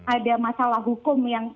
ada masalah hukum yang